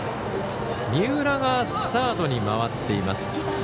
三浦がサードに回っています。